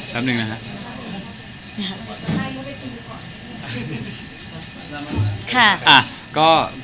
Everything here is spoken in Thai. สักนึงนะครับ